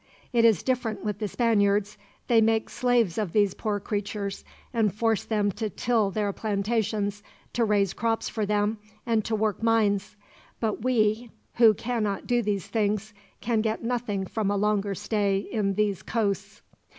It is different with the Spaniards they make slaves of these poor creatures, and force them to till their plantations, to raise crops for them, and to work mines; but we, who cannot do these things, can get nothing from a longer stay in these coasts.